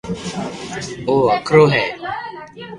او ھڪرو ھي